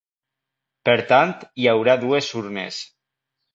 Per tant, hi haurà dues urnes.